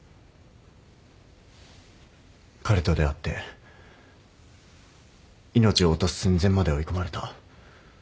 彼と出会って命を落とす寸前まで追い込まれた。